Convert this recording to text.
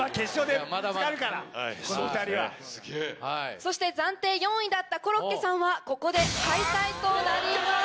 そして暫定４位だったコロッケさんはここで敗退となります。